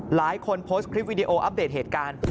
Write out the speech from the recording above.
หลายคนโพสต์วีดีโอปเดทเหตุการณ์